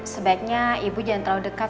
sebaiknya ibu jangan terlalu dekat